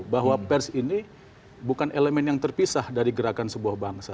bahwa pers ini bukan elemen yang terpisah dari gerakan sebuah bangsa